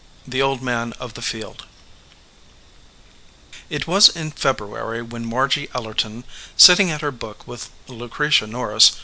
3 THE OLD MAN OF THE FIELD IT was in February when Margy Ellerton, sit ting at her book with Miss Lucretia Norris